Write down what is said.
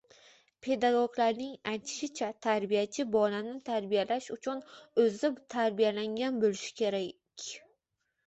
Pedagoglarning aytishicha: “Tarbiyachi bolani tarbiyalash uchun o‘zi tarbiyalangan bo‘lishi kerak’’